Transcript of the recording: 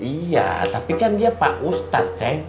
iya tapi kan dia pak ustadz